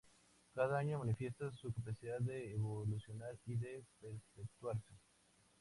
Cada año manifiesta su capacidad de evolucionar y de perpetuarse.